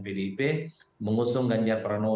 pdip mengusung ganyar pranowo